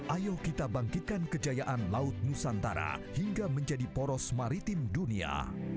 ayo kita bangkitkan kejayaan laut nusantara hingga menjadi poros maritim dunia